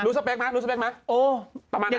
รู้สเปคไหมรู้สเปคไหม